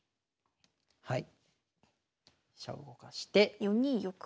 はい。